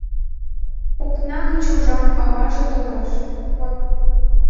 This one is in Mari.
Окна гыч ужам: аваже толеш.